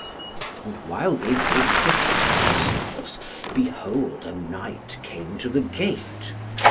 And while they were equipping themselves, behold a knight came to the gate.